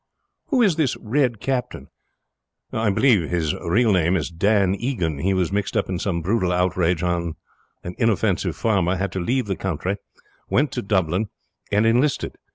"Who is this Red Captain?" "I believe his real name is Dan Egan. He was mixed up in some brutal outrage on an inoffensive farmer, had to leave the county, went to Dublin, and enlisted.